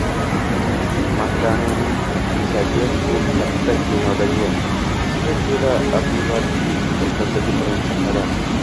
Magdananing eshagi - bu katta kinodagi Chxeidze va Abuladze o'rtasidagi birinchi qadam